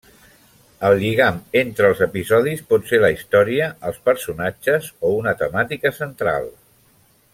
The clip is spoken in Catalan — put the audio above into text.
El lligam entre els episodis pot ser la història, els personatges o una temàtica central.